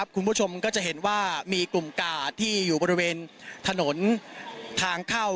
คุณผู้ชมก็จะเห็นว่ามีกลุ่มกาดที่อยู่บริเวณถนนทางเข้า